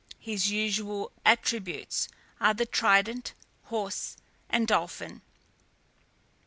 His usual attributes are the trident, horse, and dolphin.